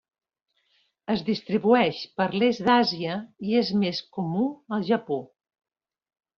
Es distribueix per l'est d'Àsia, i és més comú al Japó.